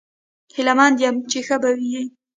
هیله مند یم چې ښه به یې